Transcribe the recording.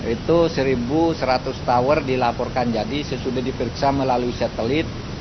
itu satu seratus tower dilaporkan jadi sesudah diperiksa melalui satelit